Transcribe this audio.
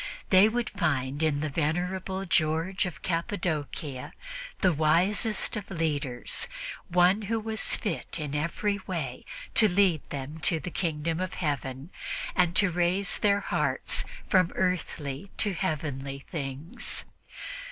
They would find in the venerable George of Cappadocia the wisest of teachers, one who was fit in every way to lead them to the kingdom of Heaven and to raise their hearts from earthly to heavenly things.